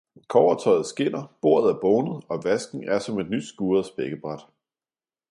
kobbertøjet skinner, bordet er som bonet, vasken er som et nys skuret spækkebræt.